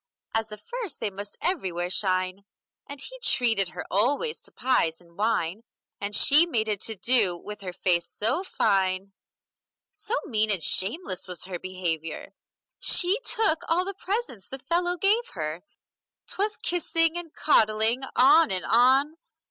As the first they must everywhere shine, And he treated her always to pies and wine, And she made a to do with her face so fine; So mean and shameless was her behavior, She took all the presents the fellow gave her. 'Twas kissing and coddling, on and on!